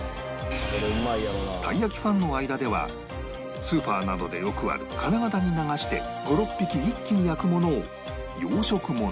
たい焼きファンの間ではスーパーなどでよくある金型に流して５６匹一気に焼くものを養殖物